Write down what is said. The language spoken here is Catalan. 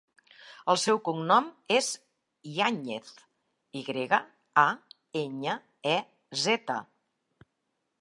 El seu cognom és Yañez: i grega, a, enya, e, zeta.